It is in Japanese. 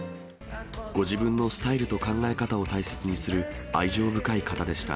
ご自分のスタイルと考え方を大切にする、愛情深い方でした。